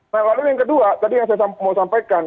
nah lalu yang kedua tadi yang saya mau sampaikan